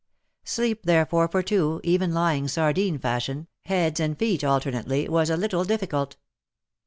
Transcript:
Sleep therefore for two, even lying sardine fashion, 75 76 WAR AND WOMEN heads and feet alternately, was a little diffi cult.